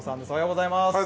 おはようございます。